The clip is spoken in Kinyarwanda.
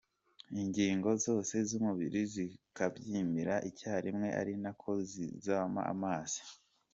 Ingingo zose z’umubiri zikabyimbira icyarimwe ari na ko zizamo amazi.